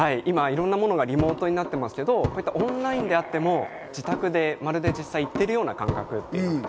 いろんなものが今、リモートになってますけど、オンラインでもまるで実際に行ってるような感覚。